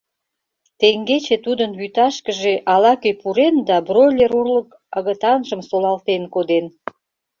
— Теҥгече тудын вӱташкыже ала-кӧ пурен да бройлер урлык агытанжым солалтен коден.